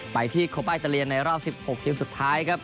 ไปที่โคปาอิตาเลียนในรอบ๑๖ทีมสุดท้ายครับ